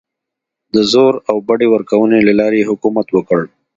د زور او بډې ورکونې له لارې یې حکومت وکړ.